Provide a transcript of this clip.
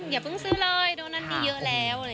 อย่าเพิ่งซื้อเลยโดนนั่นนี่เยอะแล้ว